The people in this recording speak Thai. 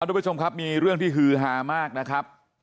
ทุกผู้ชมครับมีเรื่องที่ฮือฮามากนะครับ